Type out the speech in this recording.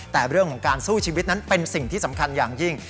แต่เรื่องของการสู้ชีวิตนั้นเป็นสิ่งที่สำคัญอย่างยิ่ง